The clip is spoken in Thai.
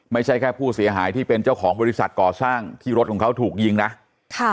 ไม่ใช่แค่ผู้เสียหายที่เป็นเจ้าของบริษัทก่อสร้างที่รถของเขาถูกยิงนะค่ะ